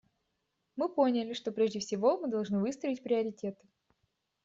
Мы поняли, что прежде всего мы должны выстроить приоритеты.